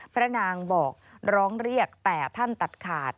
พระนางบอกร้องเรียกแต่ท่านตัดขาด